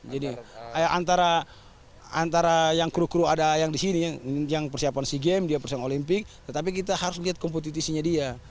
jadi antara yang kru kru ada yang disini yang persiapan si game dia persiapan olimpik tetapi kita harus lihat kompetisinya dia